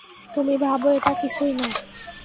তুমি ভাবো এটা কিছুই না?